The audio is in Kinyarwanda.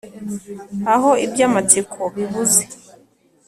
aho iby’amatsiko bibuze